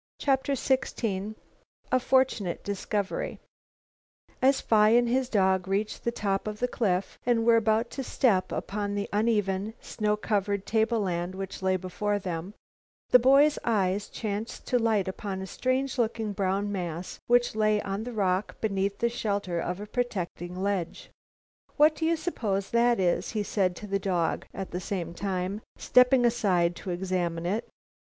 CHAPTER XVI A FORTUNATE DISCOVERY As Phi and his dog reached the top of the cliff and were about to step upon the uneven, snow covered tableland which lay before them, the boy's eyes chanced to light upon a strange looking brown mass which lay on the rock beneath the shelter of a projecting ledge. "What do you suppose that is?" he said to the dog, at the same time stepping aside to examine it.